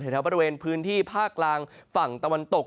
แถวบริเวณพื้นที่ภาคกลางฝั่งตะวันตก